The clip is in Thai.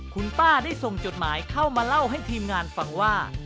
คุณป้าได้ส่งจดหมายเข้ามาเล่าให้ทีมงานฟังว่า